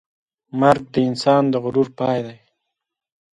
مرګ د انسان د غرور پای دی.